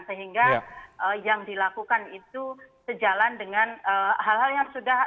sehingga yang dilakukan itu sejalan dengan hal hal yang sudah